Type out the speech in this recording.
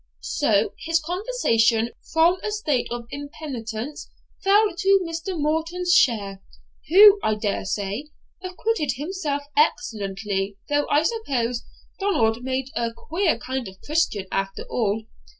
So his conversion from a state of impenitence fell to Mr. Morton's share, who, I daresay, acquitted himself excellently, though I suppose Donald made but a queer kind of Christian after all.